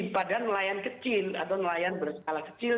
padahal nelayan kecil atau nelayan berskala kecil